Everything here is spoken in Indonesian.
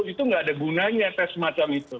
itu nggak ada gunanya tes semacam itu